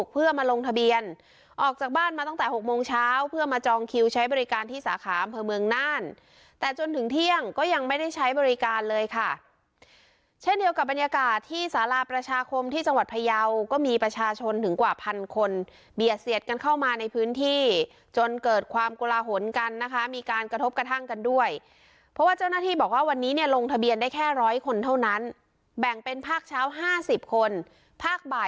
เพื่อมาจองคิวใช้บริการที่สาขาเมืองน่านแต่จนถึงเที่ยงก็ยังไม่ได้ใช้บริการเลยค่ะเช่นเดียวกับบรรยากาศที่สาราประชาคมที่จังหวัดพะเยาว์ก็มีประชาชนถึงกว่าพันคนเบียดเสียดกันเข้ามาในพื้นที่จนเกิดความกุระหนกันนะคะมีการกระทบกระทั่งกันด้วยเพราะว่าเจ้าหน้าที่บอกว่าวันนี้เนี่ยลงทะ